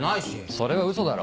それは嘘だろ。